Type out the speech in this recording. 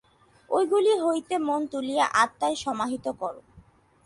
ঐগুলি হইতে মন তুলিয়া আত্মায় সমাহিত কর।